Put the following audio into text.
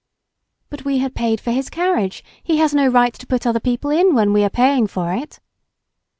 "But we had paid for his carriage, he has no right to put other people in when we are paying for it!"